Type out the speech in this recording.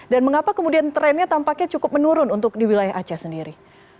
dan mengapa kemudian trennya tampaknya cukup menurun untuk di wilayah aceh sendiri